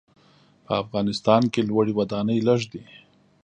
په افغانستان کې لوړې ودانۍ لږ دي.